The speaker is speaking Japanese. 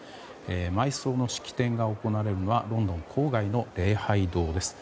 埋葬の式典が行われるのはロンドン郊外の礼拝堂です。